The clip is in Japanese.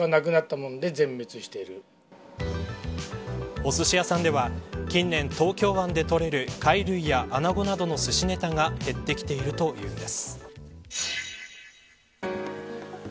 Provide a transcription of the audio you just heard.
おすし屋さんでは近年、東京湾で取れる貝類やアナゴなどのすしネタが減ってきているというのです。